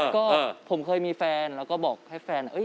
ก็ผมเคยมีแฟนแล้วก็บอกให้แฟน